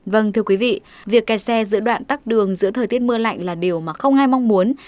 vâng thưa quý vị việc kẹt xe giữa đoạn tắt đường giữa thời tiết mưa lạnh là điều mà không ai mong muốn